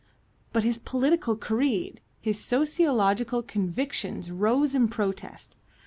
But his political creed, his sociological convictions rose in protest.